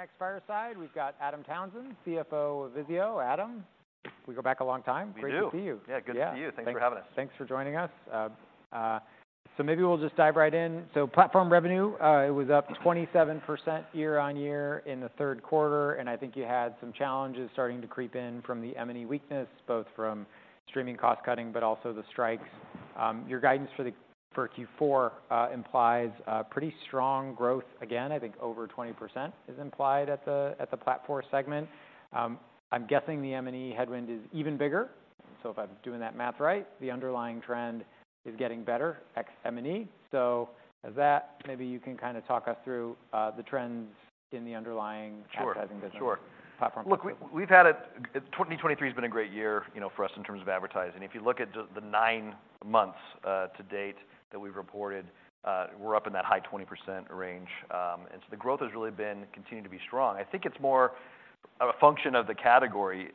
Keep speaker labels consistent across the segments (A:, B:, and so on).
A: For our next fireside, we've got Adam Townsend, CFO of VIZIO. Adam, we go back a long time.
B: We do.
A: Great to see you.
B: Yeah, good to see you.
A: Yeah.
B: Thanks for having us.
A: Thanks for joining us. So maybe we'll just dive right in. So platform revenue, it was up 27% year-on-year in the third quarter, and I think you had some challenges starting to creep in from the M&E weakness, both from streaming cost cutting, but also the strikes. Your guidance for Q4 implies a pretty strong growth. Again, I think over 20% is implied at the platform segment. I'm guessing the M&E headwind is even bigger, so if I'm doing that math right, the underlying trend is getting better, ex M&E. So as that, maybe you can kind of talk us through the trends in the underlying-
B: Sure
A: - advertising business.
B: Sure.
A: Platform.
B: Look, 2023 has been a great year, you know, for us, in terms of advertising. If you look at the nine months to date that we've reported, we're up in that high 20% range. And so the growth has really been continuing to be strong. I think it's more of a function of the category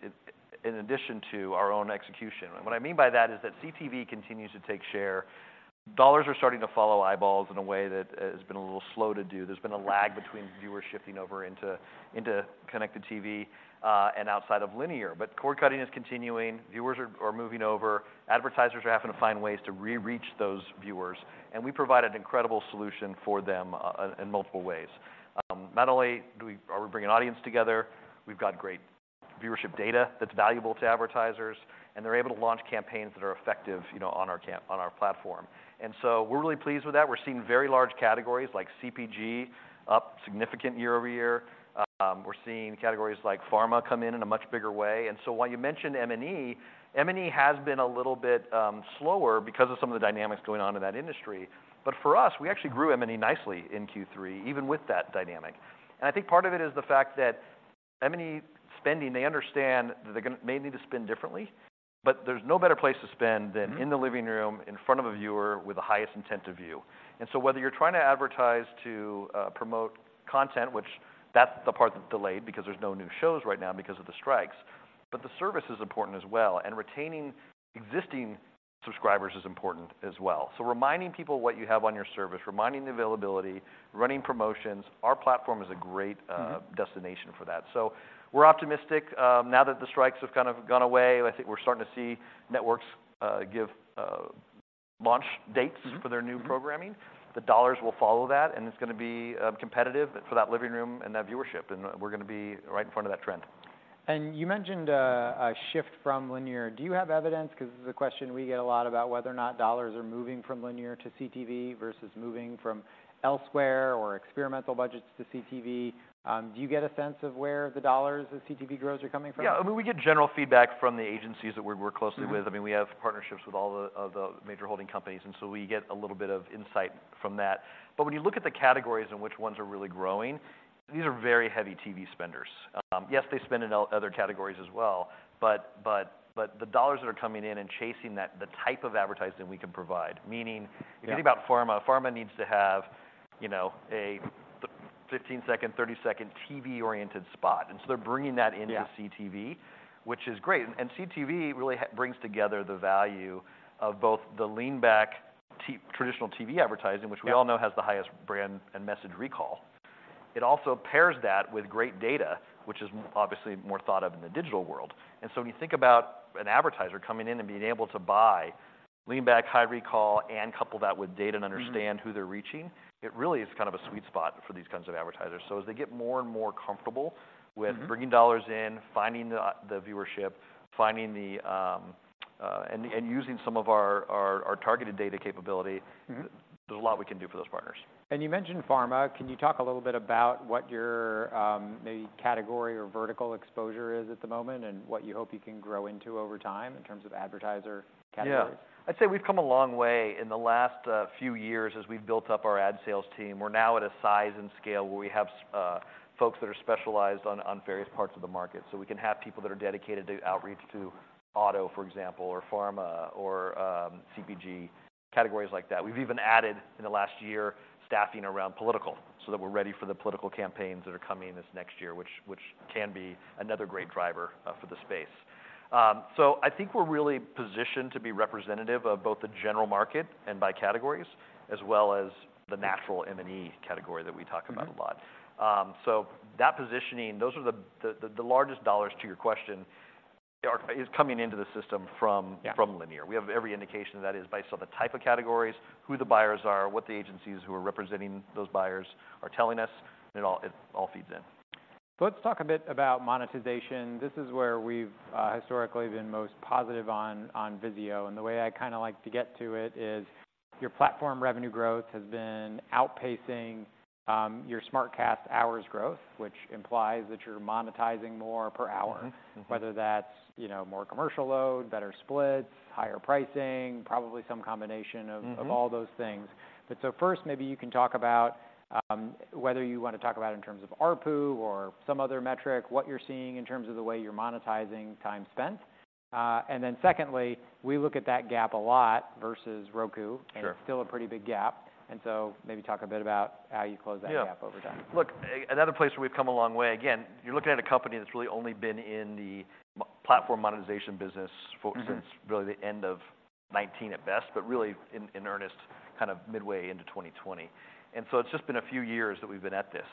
B: in addition to our own execution. And what I mean by that is that CTV continues to take share. Dollars are starting to follow eyeballs in a way that has been a little slow to do. There's been a lag between viewers shifting over into connected TV and outside of linear. But cord cutting is continuing, viewers are moving over, advertisers are having to find ways to reach those viewers, and we provide an incredible solution for them in multiple ways. Not only do we bring an audience together, we've got great viewership data that's valuable to advertisers, and they're able to launch campaigns that are effective, you know, on our platform. And so we're really pleased with that. We're seeing very large categories, like CPG, up significant year-over-year. We're seeing categories like pharma come in in a much bigger way. And so while you mentioned M&E, M&E has been a little bit slower because of some of the dynamics going on in that industry. But for us, we actually grew M&E nicely in Q3, even with that dynamic. I think part of it is the fact that M&E spending, they understand that they may need to spend differently, but there's no better place to spend than-
A: Mm-hmm...
B: in the living room, in front of a viewer with the highest intent to view. And so whether you're trying to advertise to promote content, which that's the part that's delayed, because there's no new shows right now because of the strikes, but the service is important as well, and retaining existing subscribers is important as well. So reminding people what you have on your service, reminding the availability, running promotions, our platform is a great,
A: Mm-hmm...
B: destination for that. So we're optimistic. Now that the strikes have kind of gone away, I think we're starting to see networks give launch dates.
A: Mm-hmm...
B: for their new programming. The dollars will follow that, and it's gonna be competitive for that living room and that viewership, and we're gonna be right in front of that trend.
A: You mentioned a shift from linear. Do you have evidence? Because this is a question we get a lot about whether or not dollars are moving from linear to CTV versus moving from elsewhere, or experimental budgets to CTV. Do you get a sense of where the dollars of CTV growers are coming from?
B: Yeah, I mean, we get general feedback from the agencies that we work closely with.
A: Mm-hmm.
B: I mean, we have partnerships with all the major holding companies, and so we get a little bit of insight from that. But when you look at the categories and which ones are really growing, these are very heavy TV spenders. Yes, they spend in other categories as well, but the dollars that are coming in and chasing that, the type of advertising we can provide, meaning-
A: Yeah...
B: if you think about pharma, pharma needs to have, you know, a 15-second, 30-second TV-oriented spot, and so they're bringing that into-
A: Yeah...
B: CTV, which is great. And CTV really brings together the value of both the lean back traditional TV advertising-
A: Yeah...
B: which we all know has the highest brand and message recall. It also pairs that with great data, which is obviously more thought of in the digital world. And so when you think about an advertiser coming in and being able to buy lean back, high recall, and couple that with data-
A: Mm-hmm...
B: and understand who they're reaching, it really is kind of a sweet spot for these kinds of advertisers. So as they get more and more comfortable with-
A: Mm-hmm...
B: bringing dollars in, finding the viewership, finding the... and using some of our targeted data capability-
A: Mm-hmm...
B: there's a lot we can do for those partners.
A: You mentioned pharma. Can you talk a little bit about what your, maybe category or vertical exposure is at the moment, and what you hope you can grow into over time in terms of advertiser categories?
B: Yeah. I'd say we've come a long way in the last few years as we've built up our ad sales team. We're now at a size and scale where we have folks that are specialized on various parts of the market. So we can have people that are dedicated to outreach to auto, for example, or pharma, or CPG, categories like that. We've even added, in the last year, staffing around political, so that we're ready for the political campaigns that are coming this next year, which can be another great driver for the space. So I think we're really positioned to be representative of both the general market and by categories, as well as the natural M&E category that we talk about a lot.
A: Mm-hmm.
B: So that positioning, those are the largest dollars, to your question, is coming into the system from-
A: Yeah...
B: from linear. We have every indication that is based on the type of categories, who the buyers are, what the agencies who are representing those buyers are telling us, and it all, it all feeds in.
A: So let's talk a bit about monetization. This is where we've historically been most positive on, on VIZIO, and the way I kind of like to get to it is, your platform revenue growth has been outpacing, your SmartCast hours growth, which implies that you're monetizing more per hour.
B: Mm-hmm. Mm-hmm.
A: Whether that's, you know, more commercial load, better splits, higher pricing, probably some combination of-
B: Mm-hmm...
A: of all those things. But so first, maybe you can talk about whether you want to talk about it in terms of ARPU or some other metric, what you're seeing in terms of the way you're monetizing time spent. And then secondly, we look at that gap a lot versus Roku-
B: Sure...
A: and it's still a pretty big gap, and so maybe talk a bit about how you close that gap over time.
B: Yeah. Look, another place where we've come a long way... Again, you're looking at a company that's really only been in the platform monetization business for-
A: Mm-hmm...
B: since really the end of '19 at best, but really in earnest, kind of midway into 2020. And so it's just been a few years that we've been at this.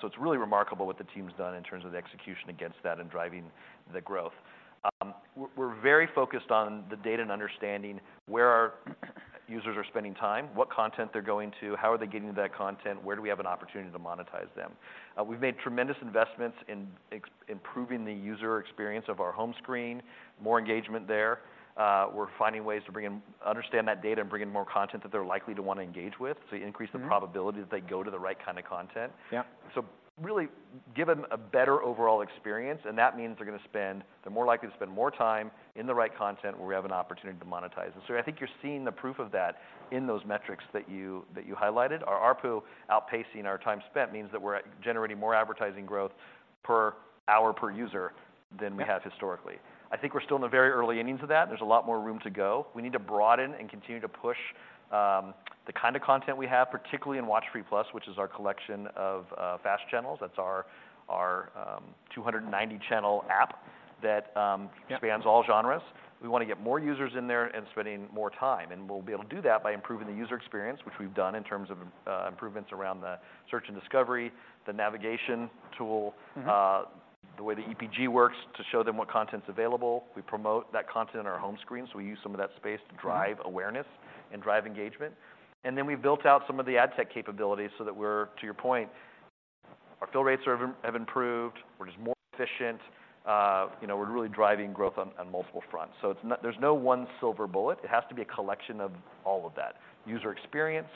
B: So it's really remarkable what the team's done in terms of the execution against that and driving the growth. We're very focused on the data and understanding where our users are spending time, what content they're going to, how are they getting to that content? Where do we have an opportunity to monetize them? We've made tremendous investments in improving the user experience of our home screen, more engagement there. We're finding ways to bring in understand that data and bring in more content that they're likely to wanna engage with, so you increase-
A: Mm-hmm...
B: the probability that they go to the right kind of content.
A: Yeah.
B: So really give them a better overall experience, and that means they're more likely to spend more time in the right content, where we have an opportunity to monetize. So I think you're seeing the proof of that in those metrics that you highlighted. Our ARPU outpacing our time spent means that we're generating more advertising growth per hour, per user than we have historically. I think we're still in the very early innings of that. There's a lot more room to go. We need to broaden and continue to push the kind of content we have, particularly in WatchFree+, which is our collection of FAST channels. That's our 290-channel app that
A: Yeah...
B: spans all genres. We wanna get more users in there and spending more time, and we'll be able to do that by improving the user experience, which we've done in terms of improvements around the search and discovery, the navigation tool-
A: Mm-hmm...
B: the way the EPG works, to show them what content's available. We promote that content on our home screen, so we use some of that space to-
A: Mm-hmm...
B: drive awareness and drive engagement. And then we've built out some of the ad tech capabilities so that we're... To your point, our fill rates have improved. We're just more efficient. You know, we're really driving growth on multiple fronts. So it's not. There's no one silver bullet. It has to be a collection of all of that: user experience,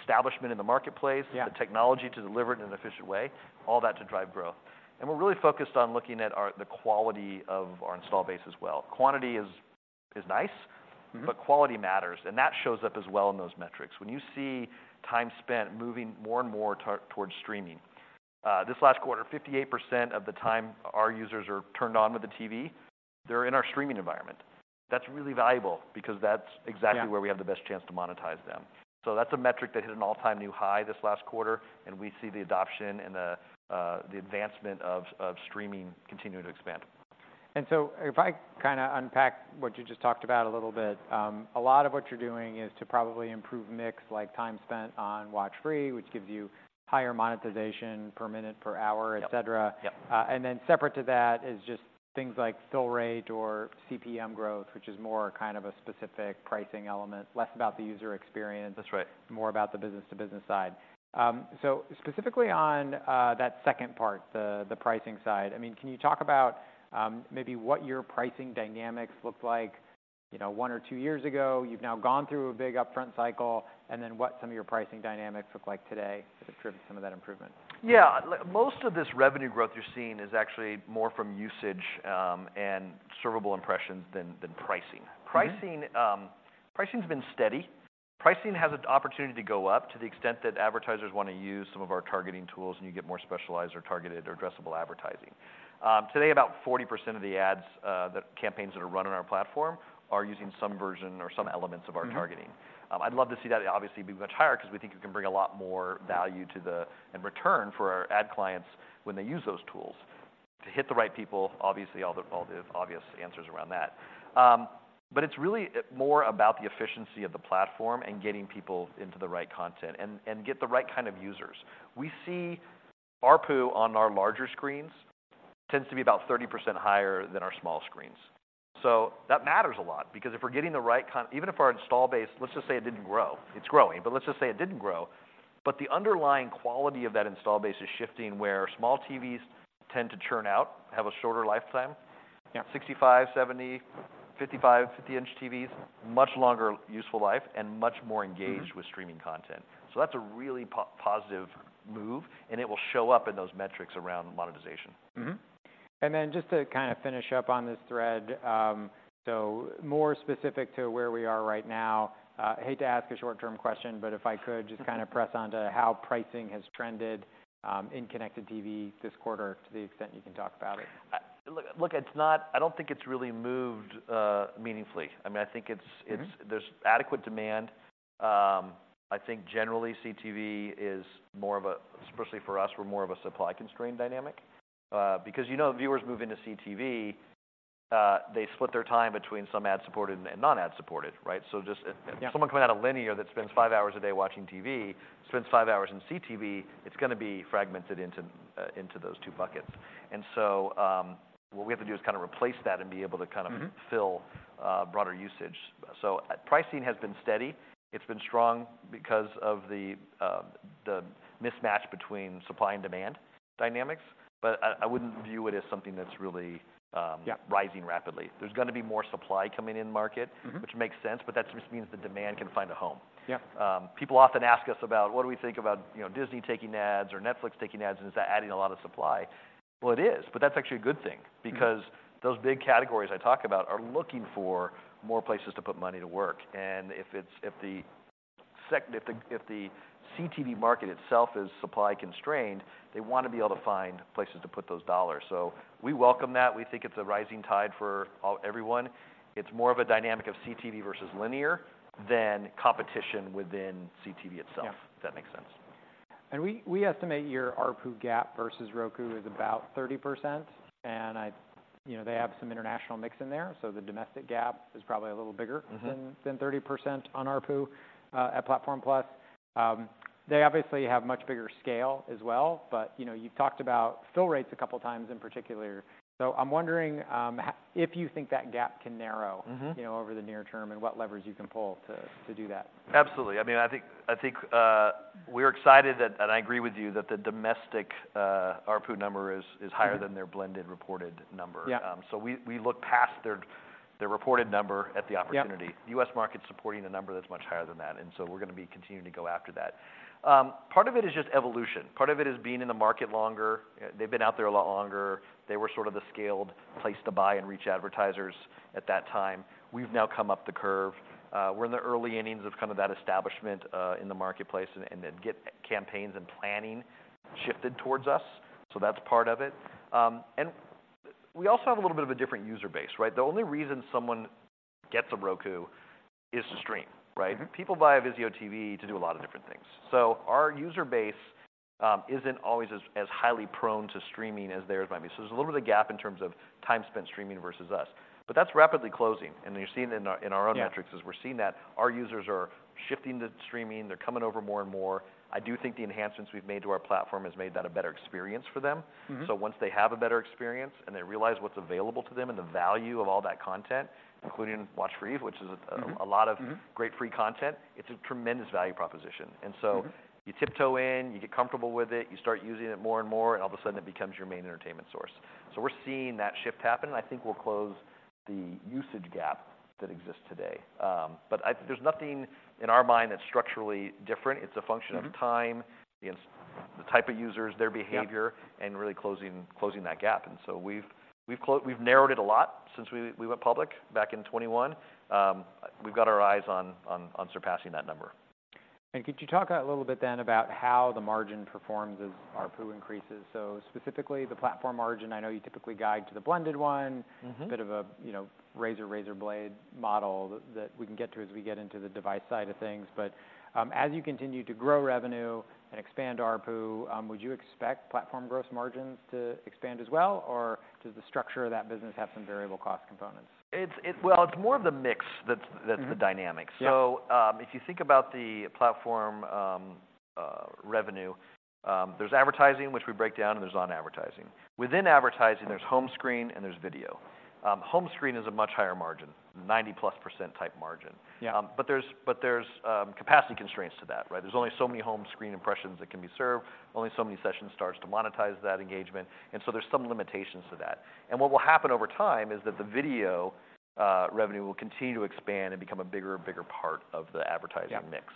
B: establishment in the marketplace-
A: Yeah...
B: the technology to deliver it in an efficient way, all that to drive growth. And we're really focused on looking at our, the quality of our install base as well. Quantity is nice-
A: Mm-hmm...
B: but quality matters, and that shows up as well in those metrics. When you see time spent moving more and more towards streaming. This last quarter, 58% of the time our users are turned on with the TV, they're in our streaming environment. That's really valuable because that's exactly-
A: Yeah...
B: where we have the best chance to monetize them. So that's a metric that hit an all-time new high this last quarter, and we see the adoption and the advancement of streaming continuing to expand.
A: If I kinda unpack what you just talked about a little bit, a lot of what you're doing is to probably improve mix, like time spent on WatchFree+, which gives you higher monetization per minute, per hour, et cetera.
B: Yep, yep.
A: Then separate to that is just things like fill rate or CPM growth, which is more kind of a specific pricing element, less about the user experience...
B: That's right...
A: more about the business to business side. So specifically on that second part, the pricing side, I mean, can you talk about maybe what your pricing dynamics looked like, you know, one or two years ago? You've now gone through a big upfront cycle, and then what some of your pricing dynamics look like today to contribute to some of that improvement?
B: Yeah. Most of this revenue growth you're seeing is actually more from usage, and servable impressions than pricing.
A: Mm-hmm.
B: Pricing, pricing's been steady. Pricing has an opportunity to go up to the extent that advertisers wanna use some of our targeting tools, and you get more specialized or targeted or addressable advertising. Today, about 40% of the ads that campaigns that are run on our platform are using some version or some elements-
A: Mm-hmm...
B: of our targeting. I'd love to see that obviously be much higher 'cause we think it can bring a lot more value to the... and return for our ad clients when they use those tools. To hit the right people, obviously, all the obvious answers around that. But it's really more about the efficiency of the platform and getting people into the right content and get the right kind of users. We see ARPU on our larger screens tends to be about 30% higher than our small screens. So that matters a lot because if we're getting the right content even if our install base... Let's just say it didn't grow. It's growing, but let's just say it didn't grow, but the underlying quality of that install base is shifting, where small TVs tend to churn out, have a shorter lifetime.
A: Yeah.
B: 65, 70, 55, 50-inch TVs, much longer useful life and much more engaged-
A: Mm-hmm...
B: with streaming content. So that's a really positive move, and it will show up in those metrics around monetization.
A: Mm-hmm. And then just to kind of finish up on this thread, so more specific to where we are right now, I hate to ask a short-term question, but if I could-
B: Okay...
A: just kind of press on to how pricing has trended in connected TV this quarter, to the extent you can talk about it.
B: Look, it's not. I don't think it's really moved meaningfully. I mean, I think it's, it's-
A: Mm-hmm...
B: there's adequate demand. I think generally, CTV is more of a... Especially for us, we're more of a supply-constrained dynamic. Because, you know, viewers move into CTV, they split their time between some ad-supported and non-ad supported, right? So just-
A: Yeah...
B: someone coming out of linear that spends five hours a day watching TV, spends five hours in CTV, it's gonna be fragmented into into those two buckets. And so, what we have to do is kind of replace that and be able to kind of-
A: Mm-hmm...
B: fill, broader usage. So pricing has been steady. It's been strong because of the mismatch between supply and demand dynamics, but I wouldn't view it as something that's really,
A: Yeah...
B: rising rapidly. There's gonna be more supply coming in the market-
A: Mm-hmm...
B: which makes sense, but that just means the demand can find a home.
A: Yeah.
B: People often ask us about what we think about, you know, Disney taking ads or Netflix taking ads, and is that adding a lot of supply? Well, it is, but that's actually a good thing-
A: Mm-hmm...
B: because those big categories I talk about are looking for more places to put money to work, and if the CTV market itself is supply-constrained, they wanna be able to find places to put those dollars. So we welcome that. We think it's a rising tide for everyone. It's more of a dynamic of CTV versus linear than competition within CTV itself-
A: Yeah...
B: if that makes sense. ...
A: We estimate your ARPU gap versus Roku is about 30%, and I-- you know, they have some international mix in there, so the domestic gap is probably a little bigger-
B: Mm-hmm.
A: - than thirty percent on ARPU at Platform+. They obviously have much bigger scale as well, but, you know, you've talked about fill rates a couple times in particular. So I'm wondering how if you think that gap can narrow-
B: Mm-hmm.
A: - you know, over the near term, and what levers you can pull to do that?
B: Absolutely. I mean, I think we're excited that... And I agree with you, that the domestic ARPU number is higher-
A: Mm-hmm
B: than their blended reported number.
A: Yeah.
B: So we look past their reported number at the opportunity.
A: Yep.
B: The US market's supporting a number that's much higher than that, and so we're gonna be continuing to go after that. Part of it is just evolution. Part of it is being in the market longer. They've been out there a lot longer. They were sort of the scaled place to buy and reach advertisers at that time. We've now come up the curve. We're in the early innings of kind of that establishment in the marketplace and get campaigns and planning shifted towards us, so that's part of it. And we also have a little bit of a different user base, right? The only reason someone gets a Roku is to stream, right?
A: Mm-hmm.
B: People buy a VIZIO TV to do a lot of different things. So our user base isn't always as highly prone to streaming as theirs might be. So there's a little bit of gap in terms of time spent streaming versus us, but that's rapidly closing, and you're seeing it in our own metrics-
A: Yeah
B: As we're seeing that. Our users are shifting to streaming. They're coming over more and more. I do think the enhancements we've made to our platform has made that a better experience for them.
A: Mm-hmm.
B: Once they have a better experience, and they realize what's available to them and the value of all that content, including WatchFree, which is a-
A: Mm-hmm
B: a lot of great free content, it's a tremendous value proposition.
A: Mm-hmm.
B: And so you tiptoe in, you get comfortable with it, you start using it more and more, and all of a sudden it becomes your main entertainment source. So we're seeing that shift happen, and I think we'll close the usage gap that exists today. But there's nothing in our mind that's structurally different.
A: Mm-hmm.
B: It's a function of time and the type of users, their behavior-
A: Yep
B: and really closing that gap. And so we've narrowed it a lot since we went public back in 2021. We've got our eyes on surpassing that number.
A: Could you talk a little bit then about how the margin performs as ARPU increases? Specifically, the platform margin, I know you typically guide to the blended one.
B: Mm-hmm.
A: Bit of a, you know, razor blade model that we can get to as we get into the device side of things. But, as you continue to grow revenue and expand ARPU, would you expect platform gross margins to expand as well, or does the structure of that business have some variable cost components?
B: Well, it's more of the mix that's-
A: Mm-hmm
B: that's the dynamic.
A: Yeah.
B: So, if you think about the platform revenue, there's advertising, which we break down, and there's non-advertising. Within advertising, there's home screen, and there's video. Home screen is a much higher margin, 90%+ type margin.
A: Yeah.
B: But there's capacity constraints to that, right? There's only so many home screen impressions that can be served, only so many session starts to monetize that engagement, and so there's some limitations to that. What will happen over time is that the video revenue will continue to expand and become a bigger and bigger part of the advertising mix.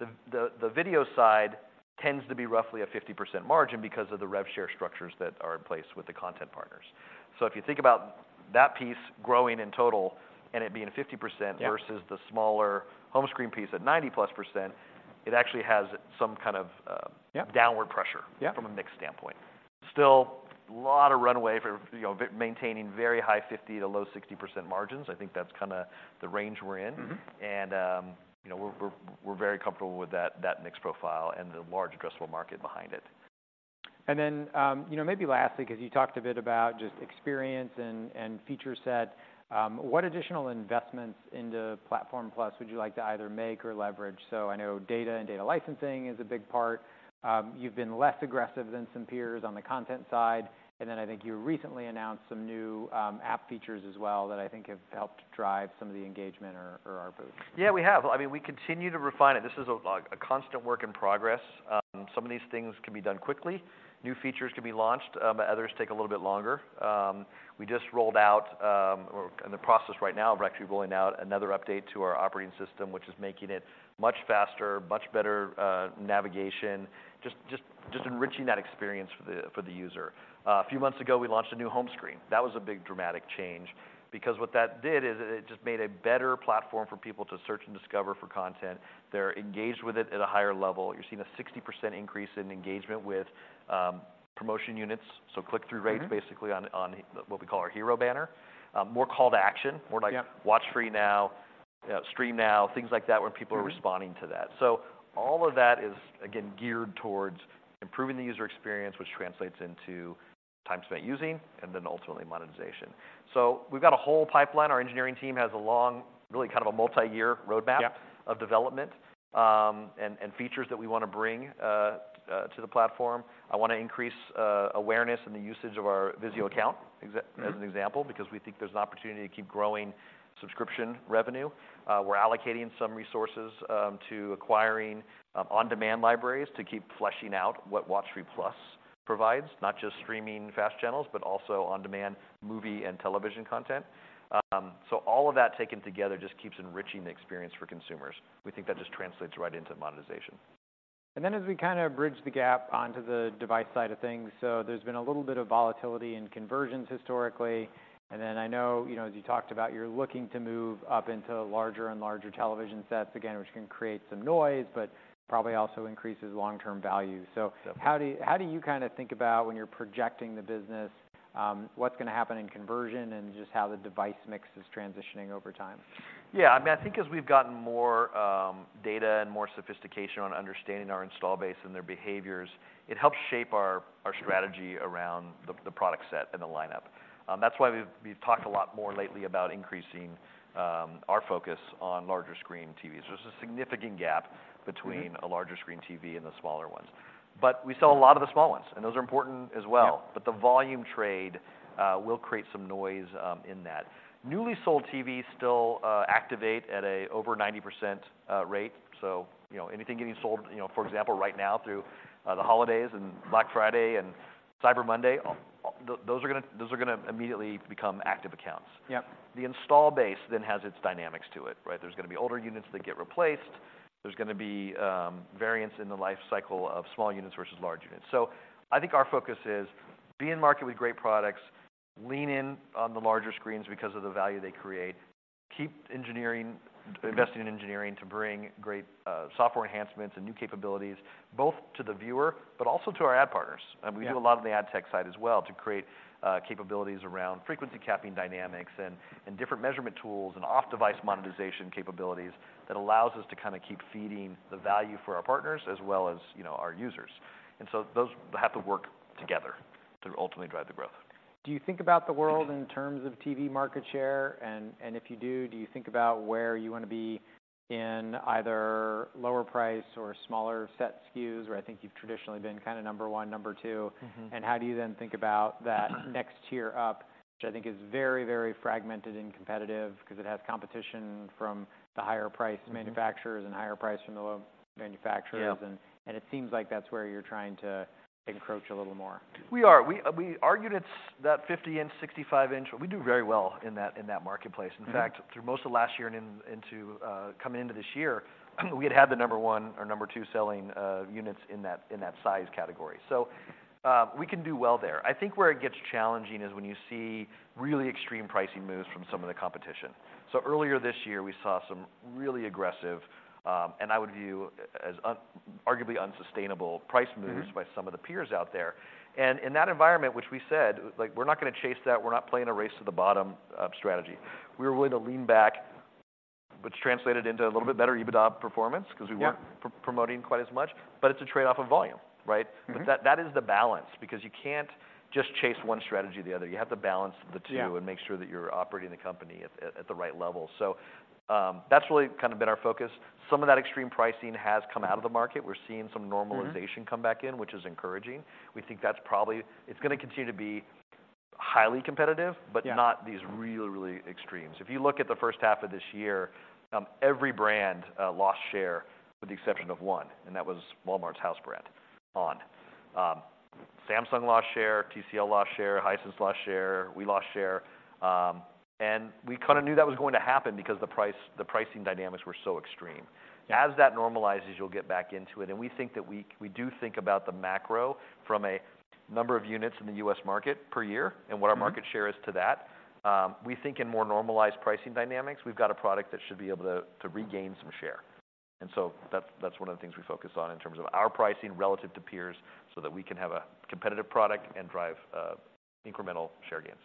A: Yeah.
B: The video side tends to be roughly a 50% margin because of the rev share structures that are in place with the content partners. So if you think about that piece growing in total and it being 50%-
A: Yeah
B: versus the smaller home screen piece at 90%+, it actually has some kind of,
A: Yeah
B: downward pressure
A: Yeah
B: from a mix standpoint. Still, a lot of runway for, you know, maintaining very high 50%-low 60% margins. I think that's kinda the range we're in.
A: Mm-hmm.
B: You know, we're very comfortable with that mix profile and the large addressable market behind it.
A: And then, you know, maybe lastly, because you talked a bit about just experience and feature set, what additional investments into Platform+ would you like to either make or leverage? So I know data and data licensing is a big part. You've been less aggressive than some peers on the content side, and then I think you recently announced some new app features as well that I think have helped drive some of the engagement or ARPU.
B: Yeah, we have. I mean, we continue to refine it. This is a, like, a constant work in progress. Some of these things can be done quickly. New features can be launched, but others take a little bit longer. We just rolled out... We're in the process right now of actually rolling out another update to our operating system, which is making it much faster, much better navigation. Just enriching that experience for the user. A few months ago, we launched a new home screen. That was a big, dramatic change because what that did is it just made a better platform for people to search and discover for content. They're engaged with it at a higher level. You're seeing a 60% increase in engagement with promotion units, so click-through rates-
A: Mm-hmm
B: basically, on what we call our hero banner. More call to action-
A: Yeah
B: - more like, "Watch free now," you know, "Stream now," things like that, where-
A: Mm-hmm
B: People are responding to that. So all of that is, again, geared towards improving the user experience, which translates into time spent using and then ultimately monetization. So we've got a whole pipeline. Our engineering team has a long, really kind of a multiyear roadmap-
A: Yeah
B: - of development and features that we wanna bring to the platform. I wanna increase awareness and the usage of our VIZIO Account, exa-
A: Mm-hmm
B: As an example, because we think there's an opportunity to keep growing subscription revenue. We're allocating some resources to acquiring on-demand libraries to keep fleshing out what WatchFree+ provides, not just streaming FAST channels, but also on-demand movie and television content. So all of that taken together just keeps enriching the experience for consumers. We think that just translates right into monetization.
A: ...Then as we kind of bridge the gap onto the device side of things, so there's been a little bit of volatility in conversions historically. Then I know, you know, as you talked about, you're looking to move up into larger and larger television sets, again, which can create some noise, but probably also increases long-term value.
B: Yep.
A: So how do you, how do you kind of think about when you're projecting the business, what's gonna happen in conversion and just how the device mix is transitioning over time?
B: Yeah, I mean, I think as we've gotten more data and more sophistication on understanding our install base and their behaviors, it helps shape our strategy around the product set and the lineup. That's why we've talked a lot more lately about increasing our focus on larger screen TVs. There's a significant gap-
A: Mm-hmm...
B: between a larger screen TV and the smaller ones. We sell a lot of the small ones, and those are important as well.
A: Yep.
B: But the volume trade will create some noise in that. Newly sold TVs still activate at over 90% rate. So, you know, anything getting sold, you know, for example, right now through the holidays and Black Friday and Cyber Monday, those are gonna, those are gonna immediately become active accounts.
A: Yep.
B: The install base then has its dynamics to it, right? There's gonna be older units that get replaced. There's gonna be variance in the life cycle of small units versus large units. So I think our focus is be in market with great products, lean in on the larger screens because of the value they create, keep engineering-
A: Mm-hmm ...
B: investing in engineering to bring great, software enhancements and new capabilities, both to the viewer, but also to our ad partners.
A: Yeah.
B: We do a lot on the ad tech side as well to create capabilities around frequency capping dynamics, and different measurement tools, and off-device monetization capabilities that allows us to kind of keep feeding the value for our partners as well as, you know, our users. So those have to work together to ultimately drive the growth.
A: Do you think about the world-
B: Mm-hmm...
A: in terms of TV market share? And if you do, do you think about where you wanna be in either lower price or smaller set SKUs, where I think you've traditionally been kind of number one, number two?
B: Mm-hmm.
A: How do you then think about that next tier up, which I think is very, very fragmented and competitive, because it has competition from the higher priced manufacturers-
B: Mm-hmm...
A: and higher priced from the low manufacturers?
B: Yeah.
A: It seems like that's where you're trying to encroach a little more.
B: We are. We argued it's that 50-inch, 65-inch. We do very well in that marketplace.
A: Mm-hmm.
B: In fact, through most of last year and into coming into this year, we had had the number one or number two selling units in that size category. So, we can do well there. I think where it gets challenging is when you see really extreme pricing moves from some of the competition. So earlier this year, we saw some really aggressive and I would view as unarguably unsustainable price moves.
A: Mm-hmm...
B: by some of the peers out there. And in that environment, which we said, like, we're not gonna chase that, we're not playing a race-to-the-bottom strategy. We were willing to lean back, which translated into a little bit better EBITDA performance-
A: Yeah...
B: 'cause we weren't promoting quite as much, but it's a trade-off of volume, right?
A: Mm-hmm.
B: But that is the balance, because you can't just chase one strategy or the other. You have to balance the two-
A: Yeah...
B: and make sure that you're operating the company at the right level. So, that's really kind of been our focus. Some of that extreme pricing has come out of the market. We're seeing some normalization-
A: Mm-hmm...
B: come back in, which is encouraging. We think that's probably... It's gonna continue to be highly competitive-
A: Yeah...
B: but not these really, really extremes. If you look at the first half of this year, every brand lost share, with the exception of one, and that was Walmart's house brand, onn. Samsung lost share, TCL lost share, Hisense lost share, we lost share. And we kind of knew that was going to happen because the pricing dynamics were so extreme.
A: Yeah.
B: As that normalizes, you'll get back into it, and we think that we do think about the macro from a number of units in the U.S. market per year-
A: Mm-hmm...
B: and what our market share is to that. We think in more normalized pricing dynamics, we've got a product that should be able to regain some share. And so that's one of the things we focus on in terms of our pricing relative to peers, so that we can have a competitive product and drive incremental share gains.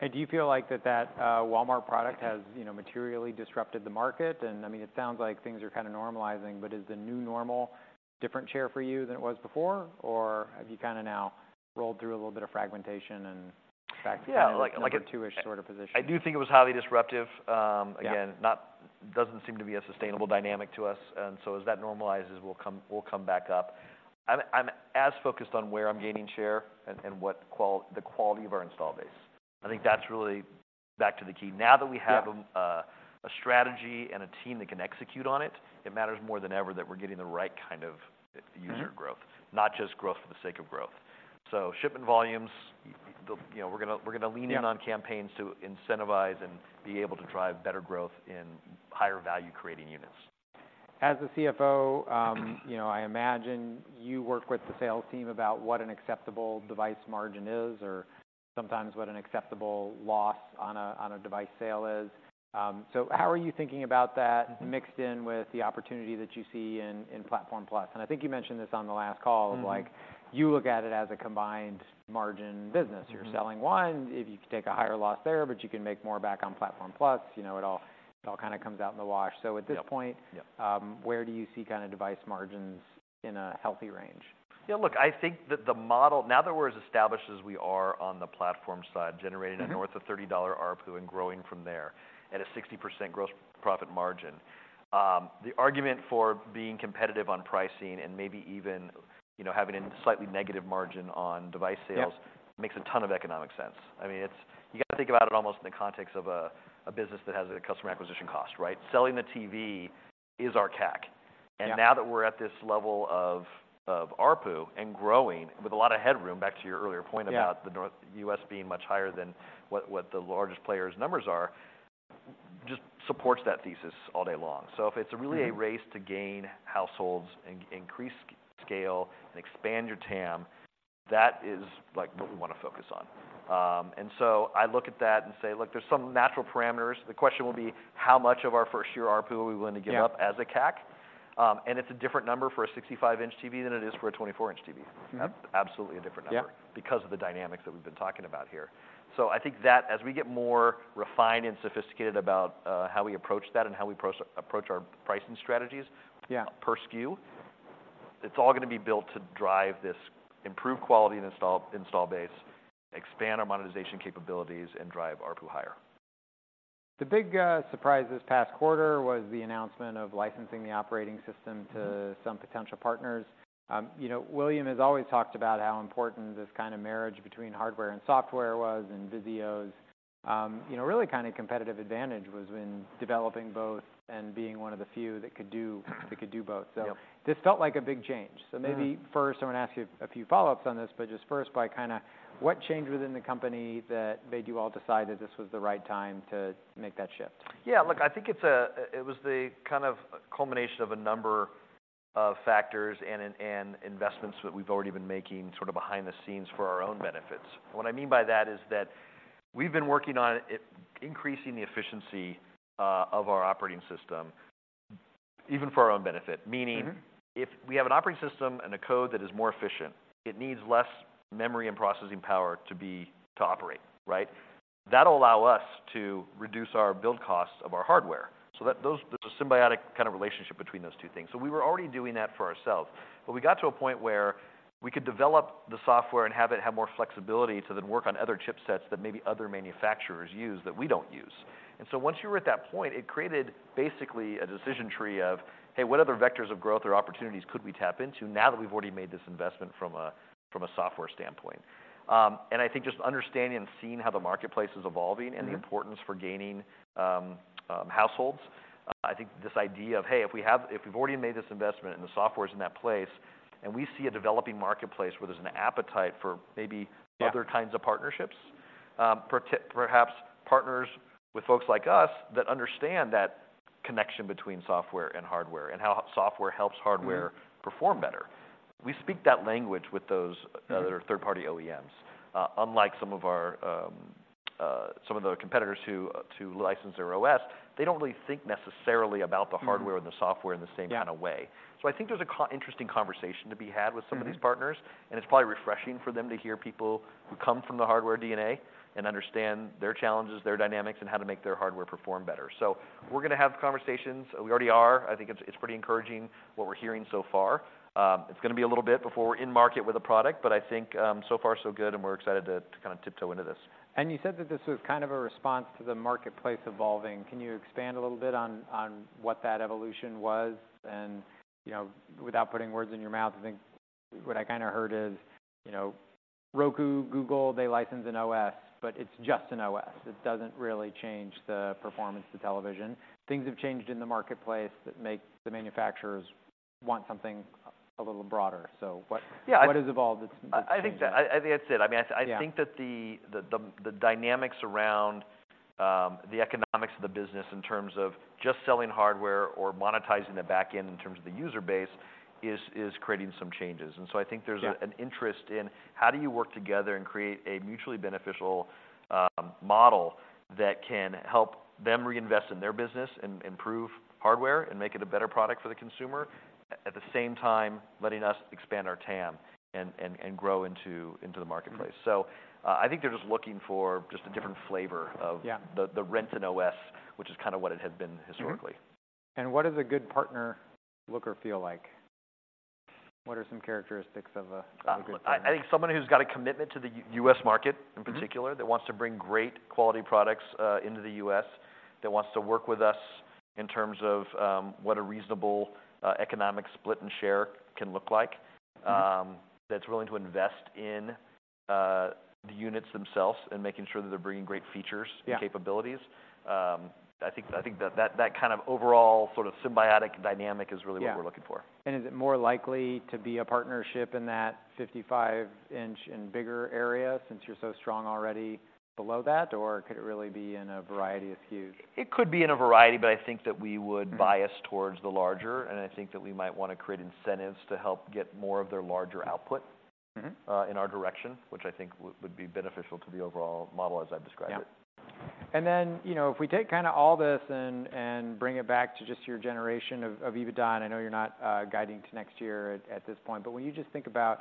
A: And do you feel like that Walmart product has, you know, materially disrupted the market? And, I mean, it sounds like things are kind of normalizing, but is the new normal different share for you than it was before? Or have you kind of now rolled through a little bit of fragmentation and back to-
B: Yeah, like, like a-...
A: number 2-ish sort of position?
B: I do think it was highly disruptive. Again-
A: Yeah...
B: doesn't seem to be a sustainable dynamic to us. And so as that normalizes, we'll come back up. I'm as focused on where I'm gaining share and what the quality of our install base. I think that's really back to the key.
A: Yeah.
B: Now that we have a strategy and a team that can execute on it, it matters more than ever that we're getting the right kind of user growth-
A: Mm-hmm...
B: not just growth for the sake of growth. So shipment volumes, you know, we're gonna lean in-
A: Yeah...
B: on campaigns to incentivize and be able to drive better growth in higher value-creating units.
A: As the CFO, you know, I imagine you work with the sales team about what an acceptable device margin is, or sometimes what an acceptable loss on a device sale is. So how are you thinking about that-
B: Mm-hmm...
A: mixed in with the opportunity that you see in Platform+? And I think you mentioned this on the last call-
B: Mm-hmm...
A: like, you look at it as a combined margin business.
B: Mm-hmm.
A: You're selling one, if you can take a higher loss there, but you can make more back on Platform+, you know, it all kind of comes out in the wash.
B: Yep.
A: So at this point-
B: Yep...
A: where do you see kind of device margins in a healthy range?
B: Yeah, look, I think that the model-- now that we're as established as we are on the Platform side-
A: Mm-hmm...
B: generating a north of $30 ARPU and growing from there at a 60% gross profit margin, the argument for being competitive on pricing and maybe even, you know, having a slightly negative margin on device sales-
A: Yep...
B: makes a ton of economic sense. I mean, you've got to think about it almost in the context of a business that has a customer acquisition cost, right? Selling the TV is our CAC.
A: Yeah.
B: Now that we're at this level of ARPU and growing with a lot of headroom, back to your earlier point about-
A: Yeah...
B: the North-- U.S. being much higher than what the largest players' numbers are just supports that thesis all day long. So if it's really-
A: Mm-hmm
B: a race to gain households and increase scale and expand your TAM, that is, like, what we wanna focus on. And so I look at that and say: Look, there's some natural parameters. The question will be, how much of our first-year ARPU are we willing to give up-
A: Yeah...
B: as a CAC? And it's a different number for a 65-inch TV than it is for a 24-inch TV.
A: Mm-hmm.
B: That's absolutely a different number-
A: Yeah...
B: because of the dynamics that we've been talking about here. So I think that as we get more refined and sophisticated about, how we approach that and how we approach our pricing strategies-
A: Yeah...
B: per SKU, it's all gonna be built to drive this improved quality and install, install base, expand our monetization capabilities, and drive ARPU higher.
A: The big surprise this past quarter was the announcement of licensing the operating system to-
B: Mm-hmm...
A: some potential partners. You know, William has always talked about how important this kind of marriage between hardware and software was, and VIZIO's, you know, really kind of competitive advantage was in developing both and being one of the few that could do both.
B: Yep.
A: So this felt like a big change.
B: Mm.
A: Maybe first, I want to ask you a few follow-ups on this, but just first by kinda what changed within the company that made you all decide that this was the right time to make that shift?
B: Yeah, look, I think it was the kind of culmination of a number of factors and investments that we've already been making sort of behind the scenes for our own benefits. What I mean by that is that we've been working on increasing the efficiency of our operating system, even for our own benefit.
A: Mm-hmm.
B: Meaning, if we have an operating system and a code that is more efficient, it needs less memory and processing power to be... to operate, right? That'll allow us to reduce our build costs of our hardware. So that, those, there's a symbiotic kind of relationship between those two things. So we were already doing that for ourselves, but we got to a point where we could develop the software and have it have more flexibility to then work on other chipsets that maybe other manufacturers use, that we don't use. And so, once you were at that point, it created basically a decision tree of, "Hey, what other vectors of growth or opportunities could we tap into now that we've already made this investment from a, from a software standpoint?" and I think just understanding and seeing how the marketplace is evolving-
A: Mm-hmm...
B: and the importance for gaining households. I think this idea of, hey, if we have- if we've already made this investment and the software is in that place, and we see a developing marketplace where there's an appetite for maybe-
A: Yeah...
B: other kinds of partnerships, perhaps partners with folks like us that understand that connection between software and hardware, and how software helps hardware.
A: Mm-hmm...
B: perform better. We speak that language with those-
A: Mm-hmm...
B: that are third-party OEMs. Unlike some of the competitors who, to license their OS, they don't really think necessarily about the hardware-
A: Mm-hmm...
B: and the software in the same kind of way.
A: Yeah.
B: I think there's an interesting conversation to be had with some-
A: Mm-hmm...
B: of these partners, and it's probably refreshing for them to hear people who come from the hardware DNA and understand their challenges, their dynamics, and how to make their hardware perform better. So we're gonna have conversations. We already are. I think it's, it's pretty encouraging, what we're hearing so far. It's gonna be a little bit before we're in market with a product, but I think, so far, so good, and we're excited to, to kind of tiptoe into this.
A: You said that this was kind of a response to the marketplace evolving. Can you expand a little bit on, on what that evolution was? And, you know, without putting words in your mouth, I think what I kinda heard is, you know, Roku, Google, they license an OS, but it's just an OS. It doesn't really change the performance of the television. Things have changed in the marketplace that make the manufacturers want something a little broader. So what-
B: Yeah, I-...
A: what has evolved that's changing?
B: I think that's it. I mean,
A: Yeah...
B: think that the dynamics around the economics of the business in terms of just selling hardware or monetizing the back end in terms of the user base is creating some changes. And so I think there's-
A: Yeah...
B: an interest in how do you work together and create a mutually beneficial model that can help them reinvest in their business and improve hardware and make it a better product for the consumer, at the same time, letting us expand our TAM and grow into the marketplace?
A: Mm-hmm.
B: I think they're just looking for just a different flavor of-
A: Yeah...
B: the R&D and OS, which is kinda what it had been historically.
A: Mm-hmm. And what does a good partner look or feel like? What are some characteristics of a good partner?
B: I think someone who's got a commitment to the U.S. market-
A: Mm-hmm...
B: in particular, that wants to bring great quality products into the U.S., that wants to work with us in terms of what a reasonable economic split and share can look like-
A: Mm-hmm...
B: that's willing to invest in the units themselves and making sure that they're bringing great features-
A: Yeah...
B: and capabilities. I think that kind of overall sort of symbiotic dynamic is really-
A: Yeah...
B: what we're looking for.
A: Is it more likely to be a partnership in that 55-inch and bigger area, since you're so strong already below that, or could it really be in a variety of SKUs?
B: It could be in a variety, but I think that we would-
A: Mm...
B: bias towards the larger, and I think that we might wanna create incentives to help get more of their larger output-
A: Mm-hmm...
B: in our direction, which I think would be beneficial to the overall model as I've described it.
A: Yeah. And then, you know, if we take kinda all this and bring it back to just your generation of EBITDA, and I know you're not guiding to next year at this point, but when you just think about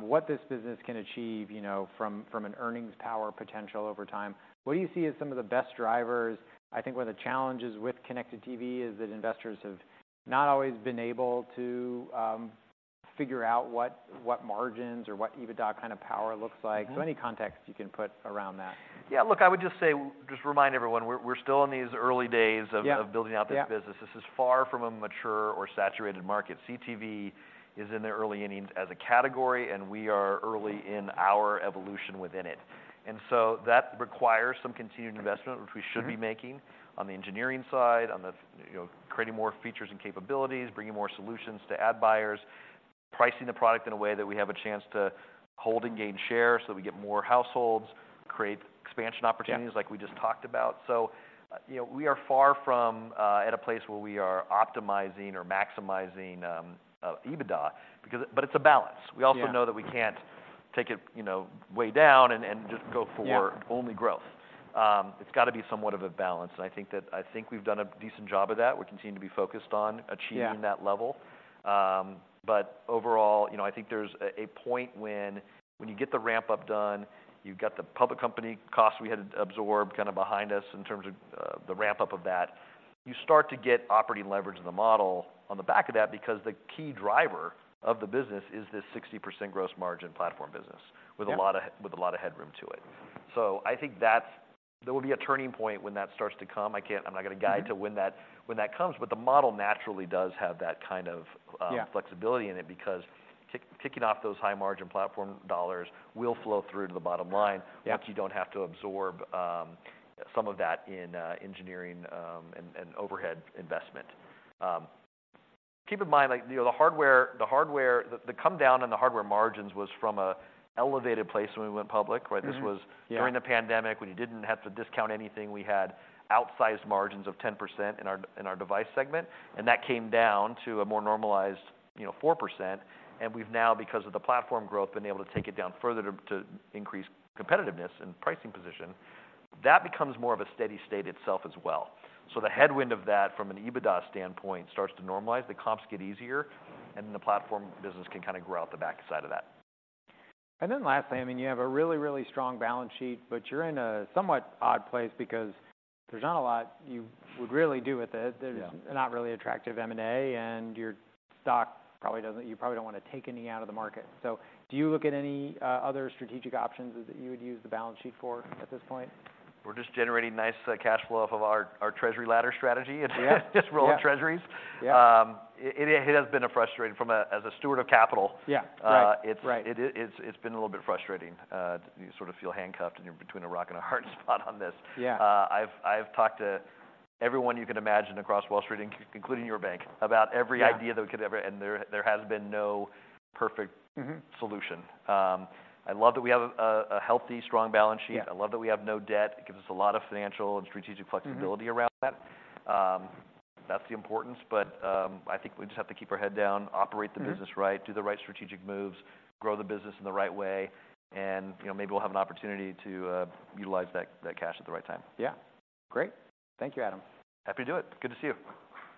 A: what this business can achieve, you know, from an earnings power potential over time, what do you see as some of the best drivers? I think one of the challenges with connected TV is that investors have not always been able to figure out what margins or what EBITDA kind of power looks like.
B: Mm-hmm.
A: Any context you can put around that?
B: Yeah, look, I would just say, just remind everyone, we're still in these early days of-
A: Yeah...
B: of building out this business.
A: Yeah.
B: This is far from a mature or saturated market. CTV is in the early innings as a category, and we are early in our evolution within it. So that requires some continued investment.
A: Mm-hmm...
B: which we should be making on the engineering side, on the, you know, creating more features and capabilities, bringing more solutions to ad buyers. Pricing the product in a way that we have a chance to hold and gain share, so that we get more households, create expansion opportunities-
A: Yeah
B: like we just talked about. So, you know, we are far from at a place where we are optimizing or maximizing EBITDA, because, but it's a balance.
A: Yeah.
B: We also know that we can't take it, you know, way down and just go for-
A: Yeah
B: Only growth. It's got to be somewhat of a balance, and I think we've done a decent job of that. We continue to be focused on achieving-
A: Yeah
B: - that level. But overall, you know, I think there's a point when you get the ramp-up done, you've got the public company costs we had to absorb kind of behind us in terms of, the ramp-up of that, you start to get operating leverage in the model on the back of that, because the key driver of the business is this 60% gross margin platform business-
A: Yeah
B: with a lot of headroom to it. So I think that's, there will be a turning point when that starts to come. I can't. I'm not gonna guide-
A: Mm-hmm
B: to when that, when that comes, but the model naturally does have that kind of
A: Yeah
B: flexibility in it, because ticking off those high-margin platform dollars will flow through to the bottom line.
A: Yeah
B: Once you don't have to absorb some of that in engineering and overhead investment. Keep in mind, like, you know, the hardware, the hardware. The come down in the hardware margins was from a elevated place when we went public, right?
A: Mm-hmm. Yeah.
B: This was during the pandemic, when you didn't have to discount anything. We had outsized margins of 10% in our, in our device segment, and that came down to a more normalized, you know, 4%. And we've now, because of the platform growth, been able to take it down further to, to increase competitiveness and pricing position. That becomes more of a steady state itself as well. So the headwind of that, from an EBITDA standpoint, starts to normalize, the comps get easier, and the platform business can kind of grow out the back side of that.
A: And then lastly, I mean, you have a really, really strong balance sheet, but you're in a somewhat odd place because there's not a lot you would really do with it.
B: Yeah.
A: There's not really attractive M&A, and your stock probably doesn't-- you probably don't want to take any out of the market. So do you look at any other strategic options that you would use the balance sheet for at this point?
B: We're just generating nice cash flow off of our treasury ladder strategy and
A: Yeah
B: - Just rolling Treasuries.
A: Yeah.
B: It has been frustrating from a—as a steward of capital-
A: Yeah. Right, right....
B: it's been a little bit frustrating. You sort of feel handcuffed, and you're between a rock and a hard spot on this.
A: Yeah.
B: I've talked to everyone you can imagine across Wall Street, including your bank, about every-
A: Yeah
B: idea that we could ever... And there has been no perfect-
A: Mm-hmm
B: solution. I love that we have a healthy, strong balance sheet.
A: Yeah.
B: I love that we have no debt. It gives us a lot of financial and strategic flexibility-
A: Mm-hmm
B: - around that. That's the importance. But, I think we just have to keep our head down, operate the business-
A: Mm-hmm
B: Right, do the right strategic moves, grow the business in the right way, and, you know, maybe we'll have an opportunity to utilize that cash at the right time.
A: Yeah. Great. Thank you, Adam.
B: Happy to do it. Good to see you.